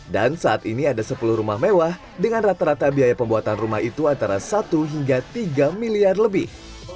dan saat ini ada sepuluh rumah mewah dengan rata rata biaya pembuatan rumah itu antara satu hingga tiga miliar lebih